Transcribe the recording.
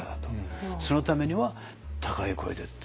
そのためには高い声でって。